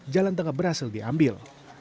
jalan tengah berhasil diambil